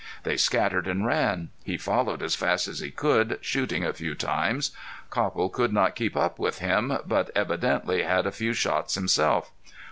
They scattered and ran. He followed as fast as he could, shooting a few times. Copple could not keep up with him, but evidently had a few shots himself.